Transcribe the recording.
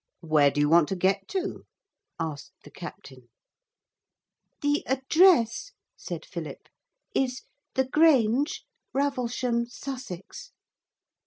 'Where do you want to get to?' asked the captain. 'The address,' said Philip, 'is The Grange, Ravelsham, Sussex.'